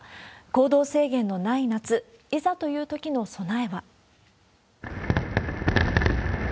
行動制限のない夏、いざというときの備えは。